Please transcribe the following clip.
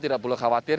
tidak perlu khawatir